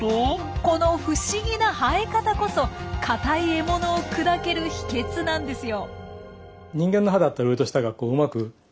この不思議な生え方こそ硬い獲物を砕ける秘けつなんですよ。